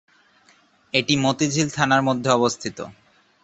এটি মতিঝিল থানার মধ্যে অবস্থিত।